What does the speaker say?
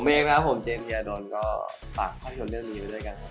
ผมเองนะครับผมเจมส์เทียร์โดนก็ฝักทำวิดีโอเรื่องนี้ไว้ด้วยกันครับ